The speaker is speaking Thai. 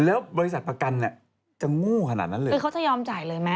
แล้วบริษัทประกันเนี่ยจะโง่ขนาดนั้นเลยคือเขาจะยอมจ่ายเลยไหม